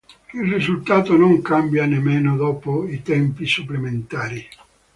Il risultato non cambia nemmeno dopo i tempi supplementari.